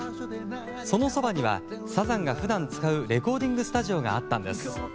そのそばには、サザンが普段使うレコーディングスタジオがあったんです。